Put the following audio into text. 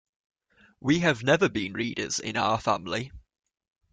We have never been readers in our family.